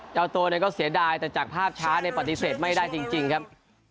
เจ้าตัวก็เสียดายแต่จากภาพช้าเนี่ยปฏิเสธไม่ได้จริงครับ